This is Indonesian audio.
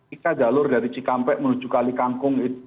jika jalur dari cikampek menuju kalikangkung